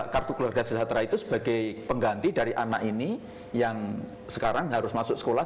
kartu keluarga sejahtera itu sebagai pengganti dari anak ini yang sekarang harus masuk sekolah